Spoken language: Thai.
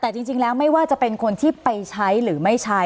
แต่จริงแล้วไม่ว่าจะเป็นคนที่ไปใช้หรือไม่ใช้